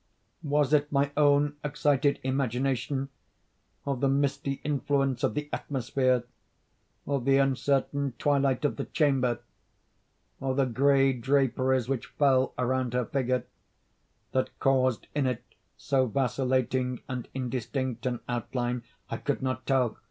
Was it my own excited imagination—or the misty influence of the atmosphere—or the uncertain twilight of the chamber—or the gray draperies which fell around her figure—that caused in it so vacillating and indistinct an outline? I could not tell.